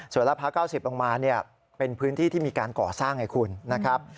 ส่วนละพร้าว๙๐ลงมาเป็นพื้นที่ที่มีการก่อสร้างไงคุณนะครับ